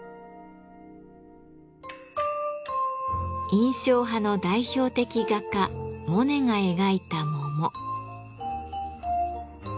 印象派の代表的画家モネが描いた桃。